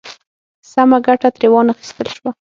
سمه ګټه ترې وا نخیستل شوه.